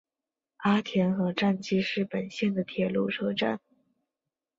阿田和站纪势本线的铁路车站。